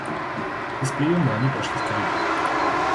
Из приемной они прошли в коридор.